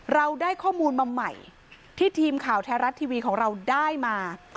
เราได้ข้อมูลมาใหม่ที่ทีมข่าวไทยรัฐทีวีของเราได้มา